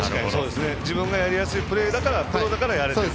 自分がやりやすいプレーだからプロだからやれる。